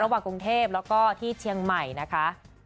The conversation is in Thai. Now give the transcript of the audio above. กรุงเทพแล้วก็ที่เชียงใหม่นะคะ